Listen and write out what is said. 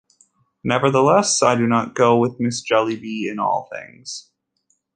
Nevertheless, I do not go with Mrs. Jellyby in all things.